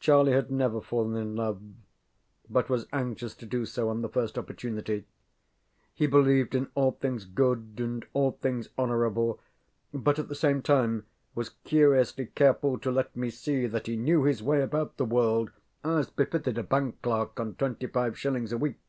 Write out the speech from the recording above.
Charlie had never fallen in love, but was anxious to do so on the first opportunity; he believed in all things good and all things honorable, but, at the same time, was curiously careful to let me see that he knew his way about the world as befitted a bank clerk on twenty five shillings a week.